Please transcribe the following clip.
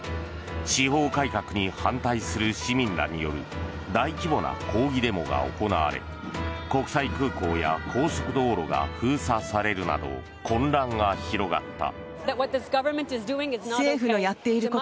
司法改革に反対する市民らによる大規模な抗議デモが行われ国際空港や高速道路が封鎖されるなど混乱が広がった。